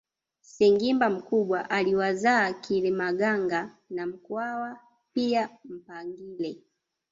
Sengimba mkubwa aliwazaa Kilemaganga na Mkwawa pia Mpangile